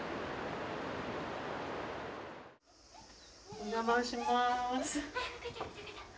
お邪魔します。